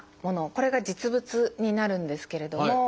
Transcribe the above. これが実物になるんですけれども。